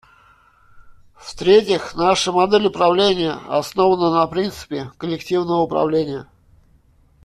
В-третьих, наша модель управления основана на принципе коллективного управления.